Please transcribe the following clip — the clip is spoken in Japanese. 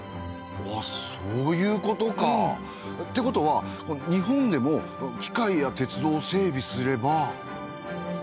うわそういうことか。ってことは日本でも機械や鉄道を整備すれば。